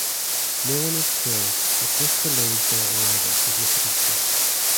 No one is killed but this delays their arrival significantly.